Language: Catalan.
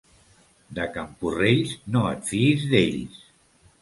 De Camporrells, no et fiïs d'ells.